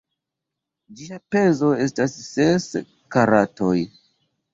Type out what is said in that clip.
Ĝia pezo estas ses karatoj.